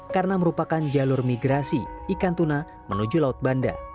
karena merupakan jalur migrasi ikan tuna menuju laut banda